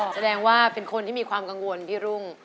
แสดงว่าเป็นคนที่มีความกังวลพี่รุ่ง